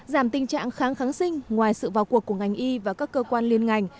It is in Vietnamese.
giảm tình trạng kháng kháng sinh ngoài sự vào cuộc của ngành y và các cơ quan liên ngành